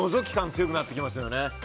強くなってきますよね。